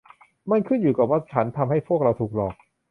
มันขึ้นอยู่กับว่าฉันทำให้พวกเราถูกหลอก